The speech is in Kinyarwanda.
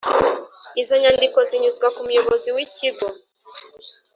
Izo nyandiko zinyuzwa ku muyobozi w’ikigo